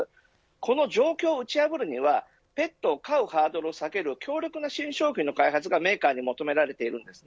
この状況を打ち破るにはペットを飼うハードルを下げる強力な新商品の開発がメーカーに求められているんです。